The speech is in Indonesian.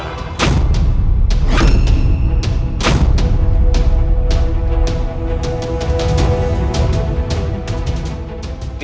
oleh nyai dewi samudera